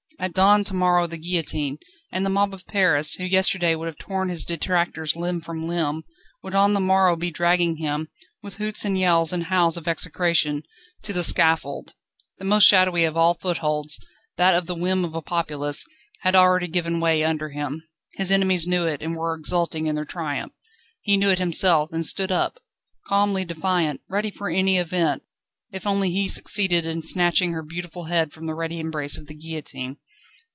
At dawn to morrow the guillotine; and the mob of Paris, who yesterday would have torn his detractors limb from limb, would on the morrow be dragging him, with hoots and yells and howls of execration, to the scaffold. The most shadowy of all footholds, that of the whim of a populace, had already given way under him. His enemies knew it, and were exulting in their triumph. He knew it himself, and stood up, calmly defiant, ready for any event, if only he succeeded in snatching her beautiful head from the ready embrace of the guillotine.